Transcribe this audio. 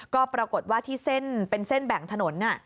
ก็ปรากฏว่าที่เส้นเป็นเส้นแบ่งถนน